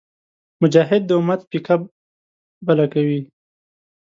مجاهد د امت پیکه بله کوي.